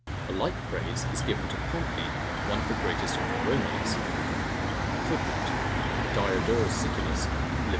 ] A like praise is given to Pompey, one of the greatest of the Romans. [Footnote: Diodorus Siculus, lib.